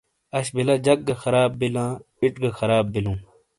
اش بیلا جک گہخراب بیلاں ایڇ گہ خراب بیلوں ۔